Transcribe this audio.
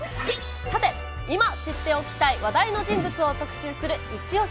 さて、今、知っておきたい話題の人物を特集する一押し。